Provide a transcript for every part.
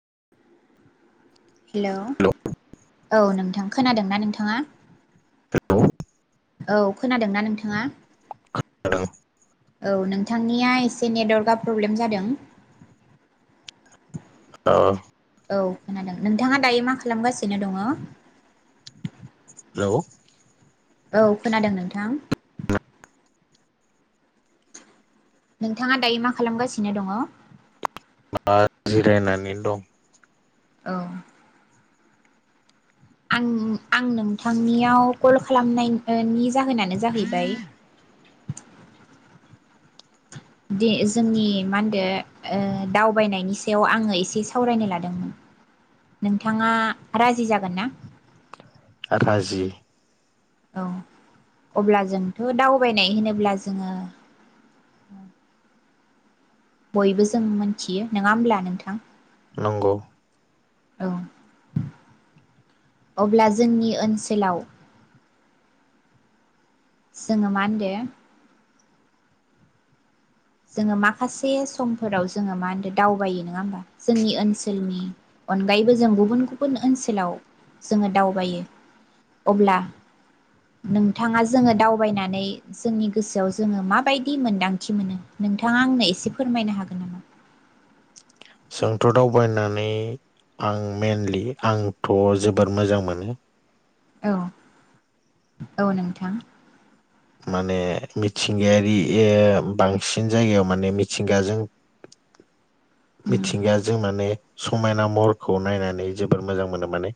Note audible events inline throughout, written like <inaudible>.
<inaudible> Hello औ नोंथां खोनादोंना नोंथाङा हेलौ औ खोनादोंना नोंथाङा? खोनादों औ नोंथांनिया एसे नेटवारकआ प्रब्लेम जादों। औ औ खोनादों नोंथाङा दायो मा खालामगासिनो दङ। हेलौ औ खोनादों नोंथां नोंथाङा दायो मा खालामगासिनो दङ। मा जिरायनानै दं औ। आं आं नोंथांनियाव कल खालामनायनि जाहोनानो जाहैबाय। दि जोंनि मा होनदो दावबायनायनि सायाव आङो एसे सावरायनो लादोंमोन नोंथाङा राजि जागोन ना। <unintelligible> औ अब्ला जोंथ' दावबायनाय होनोब्ला जोङो। बयबो जों मोनथियो नङा होमब्ला नोंथां? नंगौ। औ अब्ला जोंनि ओनसोलाव जोङो मा होनदो जोङो माखासे समफोराव जोङो मा होनदों दावबायो नङा होमबा जोंनि ओनसोलनि अनगायै बो जों गुबुन गुबुन ओनसोलाव जोङो दावबायो अब्ला नोंथाङा जोङो दावबायनानै जोंनि गोसोआव जोङो माबायदि मोनदांथि मोनो। नोंथाङा आंनो एसे फोरमायनो हागोन नामा? जोंथ' दावबायनानै आं मइेनलि आंथ' जोबोद मोजां मोनो। औ औ नोंथां। माने मिथिंगायारि ओ बांसिन जायगायाव माने मिथिंगाजों उम मिथिंगाया जों माने समायना महरखौ नायनानै जोबोर मोजां मोनो माने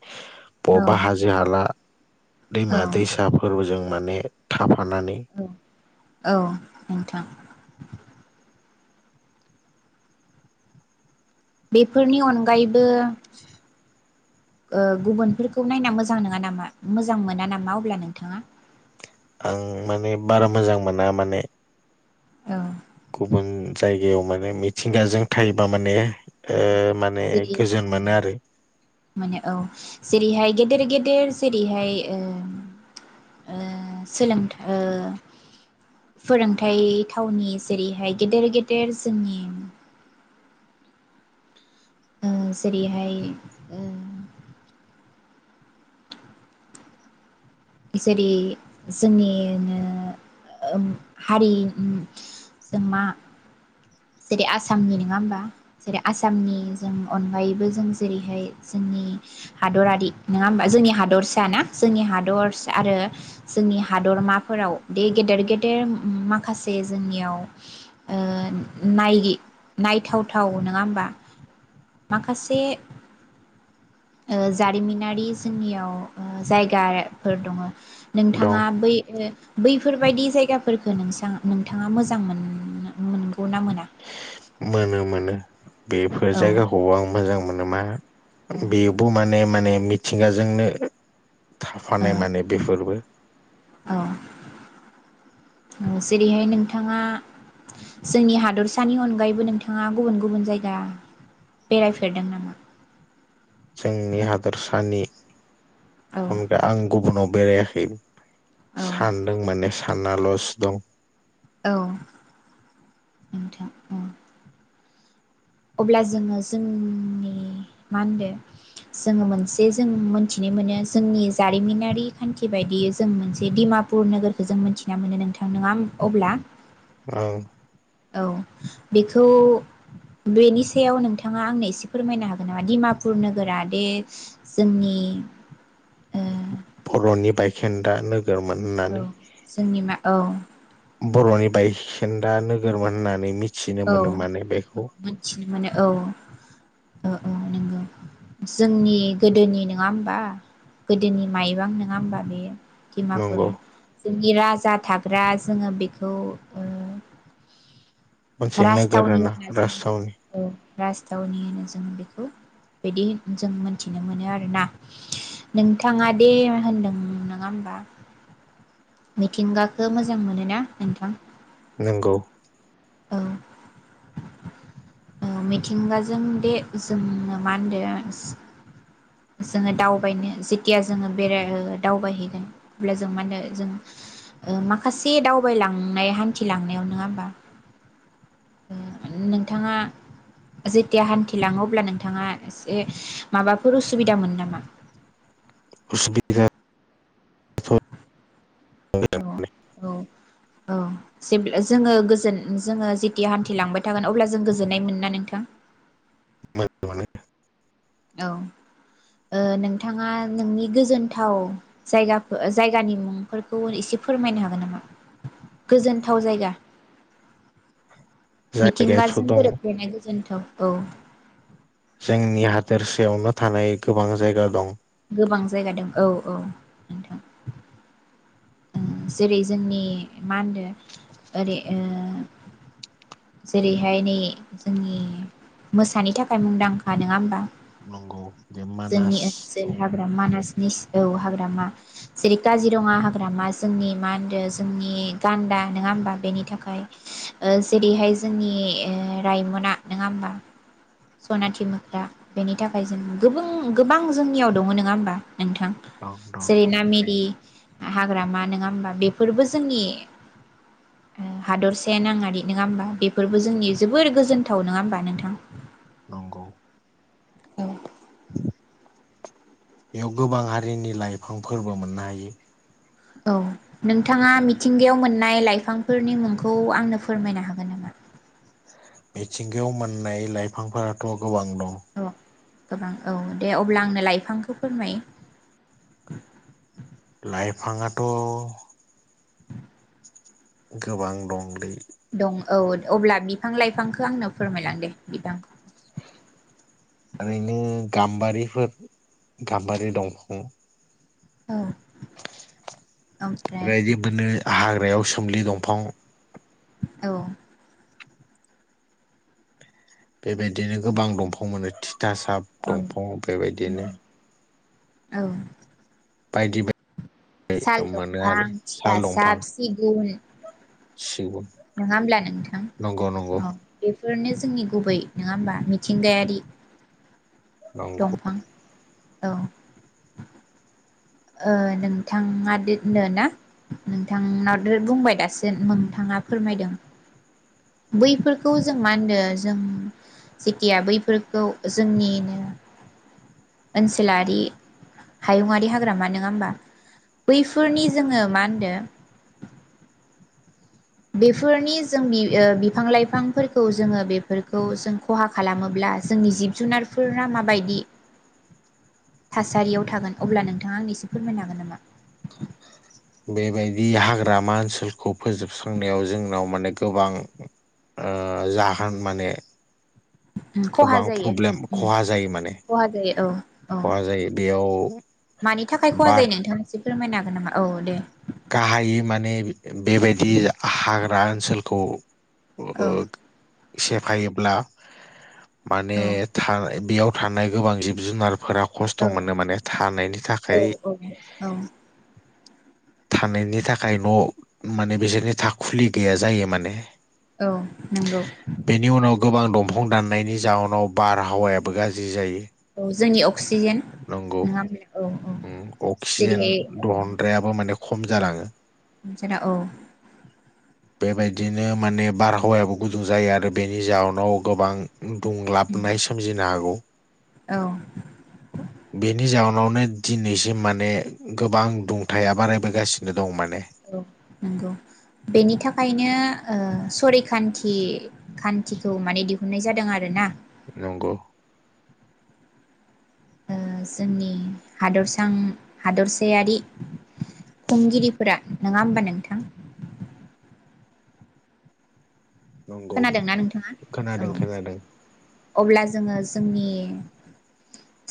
औ बबावबा हाजो-हाला औ दैमा-दैसाफोरबो जों माने थाबाय औ औ नोंथां। बेफोरनि अनगायैबो से ओ गुबुनफोरखौ नायना मोजां नङा नामा मोजां मोना नामा अब्ला नोंथाङा? आं माने बारा मोजां मोना माने औ। गुबुन जायगायाव माने मिथिंगाजों थायोबा माने ओ औ माने गोजोन मोनो आरो मोनो औ जेरैहाय गेदेर गेदेर जेरैहाय ओ ओ सोलोंथ' ओ फोरोंथाइ थावनि जेरैहाय गेदेर गेदेर जोंनि ओ जेरैहाय ओ जेरै जोंनिनो ओ हारि उम जों मा जेरै आसामनि नङा होमबा जेरै आसामनि जों अनगायैबो जों जेरैहाय जोंनि हादरारि नङा होमबा जोंनि हादरसा ना जोंनि हादरस आरो जोंनि हादरमाफोराव बे गेदेर गेदेर माखासे जोंनियाव ओ नाय नायथावथाव नङा होमबा माखासे ओ जारिमिनारि जोंनियाव जायगाफोर दङ। दं नोंथाङा बै बैफोरबायदि जायगाफोरफोरखौ नों नोंथाङा मोजां मोन मोन मोनो मानो। बेफोर औ जायगाखौ आं मोजां मोनो मा औ बेबो माने माने मिथिंगाजोंनो थाफानाय औ माने बेफोरबो ओ जेरैहाय नोंथाङा जोंनि हादरसानि अनगायैबो नोंथाङा गुबुन गुबुन जायगा बेरायफेरदों नामा? जोंनि हादर सानि औ होनब्ला आं गुबुनाव बेरायाखै। औ सानदों माने सानना ल'सो दं। औ नोंथां औ अब्ला जोङो जोंनि मा होनदो जोङो मोनसे जों मोनथिनो मोनो जोंनि जारिमिनारि खानथि बायदियै जों मोनसे दिडिमापुर नोगोरखौ जों मोनथिना मोनो नोंथां नङा अब्ला औ। औ बेखौ बेनि सायाव नोंथाङा आंनो एसे फोरमायनो हागोन नामा डिमापुर नोगोरा दे जोंनि ओ बर'नि बायखेन्दा नोग <unintelligible> औ होननानै जोंनि मा औ बर'नि बाय खोनदा नोगोरमोन होननानै मि औ औ मोनथिनो मोनो औ। ओ औ नोंगौ जोंनि गोदोनि नोङा होमबा गोदोनि माइबां नोङा होमबा बेयो। दिमापुरा नंगौ जोंनि राज जा थाग्रा जोङो बेखौ ओ मोनसे नोगोर आरो राजथावनि ना होनना जों रासथावनि। औ राजथावनि होनो जों बेखौ बिदि जों मोनथिनो मोनो आरोना नोंथाङा दे होनदों नोङा होमबा मिथिंगाखो मोजां मोनोना नोंथां? नोंगौ। औ औ मिथिंगाजों दे जों मा होनदो जोङो दावबायनो जेथिया जोङो बेराय ओ दावबायहैगोन अब्ला जों मा होनो जों ओ माखासे दावबायलांनाय हान्थिलांनायाव नङा होमबा ओ नोंथाङा जेथिया हान्थिलाङो अब्ला नोंथाङा एसे माबाफोर उस सुबिदामोन नामा? उसुबिदा थ' औ औ औ। सिमब्लो जोङो गोजोन जोङो जेथिया हान्थि लांबाय थागोन अब्ला जों गोजोननाय मोनना नोंथां? <inaudible> औ ओ नोंथाङा नोंनि गोजोनथाव जायगाफो जायगानि मुंफोरखौ एसे फोरमायनो हागोन नामा? गोजोनथाव जायगा। जायगायाथ' मिथिंगाजों दं गोरोबफ्लेनाय गोजोन्थाव। औ जोंनि हादोरसायावनो थानाय गोबां जायगा दं गोबां जायगा दं औ औ नोंथां। ओं जेरै जोंनि मा होनदों ओरै ओ जेरैहाय नै जोंनि मोसानि थाखाय मुंदांखा नोङा होमबा? नंगौ। बे मानास जोंनि औ ओनसोल हाग्रा मानासनिस औ हाग्रामा जेरै काजिरङा हाग्रामा जोंनि मा होनदो जोंनि गान्दा नोङा होमबा बेनि थाखाय ओ जेरैहाय जोंनि ओ रायमना नङा होमबा सनाथि मोख्रा बेनि थाखाय जों गोबों गोबां जोंनियाव दङ। नोङा होमबा? नोंथां दं दं जेरै नामेरि हाग्रामा नोङा होमबा बेफोरबो जोंनि ओ हादरसाया नाङारि नोङा होमबा बेफोरबो जोंनि जोबोर गोजोनथाव। नोङा होमबा नोंथां? नंगौ औ बेयाव गोबां हारिनि लाइफां फोरबो मोननो हायो औ नोंथाङा मिथिंगायाव मोननाय लाइफांफोरनि मुंखौ आंनो फोरमायनो हागोन नामा मिथिंगायाव मोननाय लाइफांफोराथ' गोबां दं औ गोबां औ दे अब्ला आंनो लाइफांखौ फोरमाय लाइफांआथ' गोबां दंलै दं औ अब्ला बिफां लाइफांखो आंनो फोरमायलां दे बिफांखौ ओरैनो गाम्बारिफोर गाम्बारि दंफां औ ओमफ्राय रायजोबोनो हाग्रायाव सोमलि दंफां औ बेबायदिनो गोबां दंफां मोनो थि थासाब औ दंफां बेबायदिनो औ बायदि बाय साल दंफां थिथा दंफां साब सिगुन सिगुन नोङा होमब्ला नोंथां नंगौ नंगौ औ बे फोरनो जोंनि गुबै नङा होमबा मिथिंगायारि नंगौ दंफां औ ओ नोंथाङा दोननो ना नोंथांनाव बुंबाय दासिम नोंथाङा फोरमायदों बैफोरखौ जों मा होनदो जों जेथिया बैफोरखौ जोंनिनो ओनसोलारि हायुङारि हा हाग्रामा नङाहोनबा बैफोरनि जोङो मा होनदो बेफोरनि जोंनि ओ बिफां लाइफांफोरखौ जोङो बेफोरखौ जों खहा खालामोब्ला जोंनि जिब जुनारफोरा माबायदि थासारियाव थागोन अब्ला नोंथाङा आंनो एसे फोरमायनो हागोन नामा बेबायदि हाग्रामा ओनसोलखौ फोजोबस्रांनायाव जोंनाव माने गोबां ओ जाहोन माने उम खहा गोबां जायो प्रब्लेम उम खहा जायो माने खहा जायो औ औ खहा जायो बेयाव मानि थाखाय खहा बार जायो नोंथाङा एसे फोरमायनो हागोन नामा औ दे गाहायै माने बेबायदि हाग्रा ओनसोलखौ औ <unintelligible> सेफायोब्ला माने औ था बेयाव थानाय गोबां जिब जुनारफोरा खस्थ' मोनो माने थानायनि थाखाय औ औ थानायनि थाखाय न' माने बिसोरनि थाखुलि गैया जायो माने औ नंगौ बेनि उनाव गोबां दंफां दाननायनि जाउनाव बारहावायाबो गाज्रि जायो। औ जोंनि औ। अक्सिजेन नंगौ नङा होमब्ला औ अक्सिजेन जेरैहाय औ दहनग्रायाबो माने खम जालाङो। जोंना औ। बेबायदिनो माने बारहावायाबो गुदुं जायो आरो बेनि जाउनाव गोबां। दुंलाबनाय सोमजिनो हागौ। औ। बेनि जाउनावनो दिनैसिम माने गोबां दुंथाया बारायबोगासिनो दं माने औ नंगौ बेनि थाखायनो सरैखान्थि खान्थिखौ माने दिुहुन दिहुननाय जादों आरो ना। नंगौ। जोंनि हादरसां हादरसायारि खुंगिरिफोरा नङा होमबा नोंथां। नंगौ खोनादोंना नोंथाङा औ खोनादों खोनादों। अब्ला जोङो जोंनि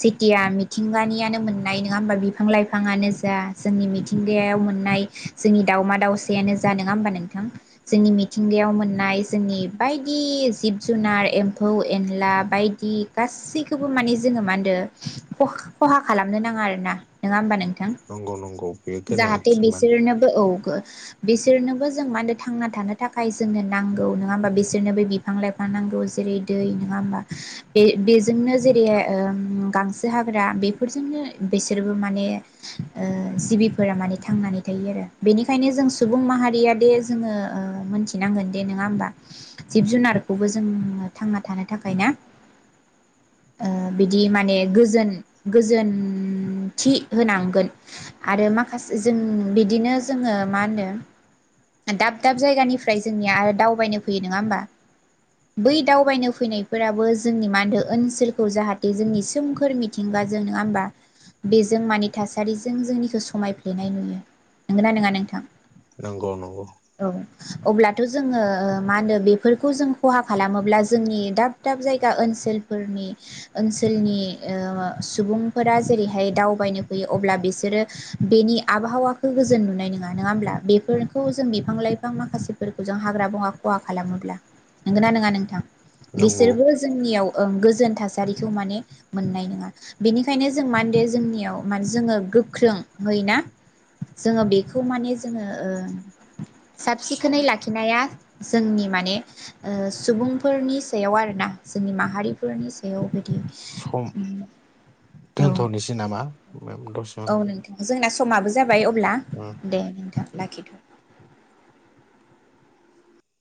सिटिया मिथिंगानियानो मोननाय नङा होमबा बिफां लाइफाङानो जा जोंनि मिथिंगायाव मोननाय जोंनि दाावमा दावसायानो जा नङा होमबा नोंथां जोंनि मिथिंगायाव मोननाय जोंनि बायदि जिब जुनार एम्फौ एनला बायदि गासैखौबो माने जोङो मा होनदों खहा खालामनो नाङा आरोना नङा होमबा नों नंगौ नंगौ बेयो जाहाथे गोनांथिमोन बिसोरनोबो औ बो बिसोरनोबो जों मा होनो थांना थानो थाखाय जोंनो नां गौ नोङा होमबा बिसोरनो बिफां लाइफां नांगौ जेरै दै नोङा होमबा बे बेजोंनो जेरै ओम गांसो हाग्रा बेफोरजोंनो बेसोरबो माने ओ जिबिफोरा माने थांनानै थायो आरो बेनिखायनो जों सुबुं माहारिया दे जोङो ओ मिथिनांगोन दे नङा होमबा जिब जुनारखौबो जों थांना थानो थाखाय ना ओ बिदि माने गोजोन गोजोनथि होनांगोन आरो माखासे जों बिदिनो जोङो मा होनो दाब दाब जायगानिफ्राय जों निया आरो दावबायनो फैयो नोङा होमबा बै दावबायनो फैनायफोराबो जोंनि मा होनदो ओनसोलखौ जाहाथे जोंनि सोमखोर मिथिंगा जों नोङा होमबा बेजों मानि थासारिजों जोंनिखौ समायफ्लेनाय नुयो नोंगोना नोङा नोंथां। नोंगौ नंगौ। अब्ला। थ' जोङो ओ मा होनो बेफोरखौ जों खहा खालामोब्ला जोंनि दाब दाब जायगा ओनसोलफोरनि ओनसोलनि ओ सुबुंफोरा जेरैहाय दावबायनो फैयो अब्ला बिसोरो बेनि आबहावाखौ गोजोन नुनाय नङा नङा होमब्ला बेफोरखौ जों बिफां लाइफां माखासे फोरखौ जों हाग्रा बंगा खहा खालामोब्ला नोंगोना नोङा नोंथां? नंगौ बिसोरबो जोंनियाव ओं गोजोन थासारिखो माने मोननाय नङा बेनिखायनो जों मानदे जोंनियाव मान जोङो गोख्रों होय ना जोङो बेखौ माने जोङो ओ साबसि खोनै लाखिनाया जोंनि माने ओ सुबुंफोरनि सायाव आरोना जोंनि माहारिफोरनि सायाव बिदि औ दोनथ'निसै नामा? मेम दसे औ नोंथां जोंना समाबो जा बाय अब्ला उम दे नोंथां। लाखिथ'।